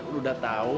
lu udah tau